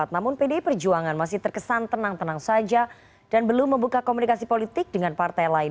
namun pdi perjuangan masih terkesan tenang tenang saja dan belum membuka komunikasi politik dengan partai lain